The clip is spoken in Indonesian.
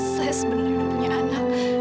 saya sebenernya udah punya anak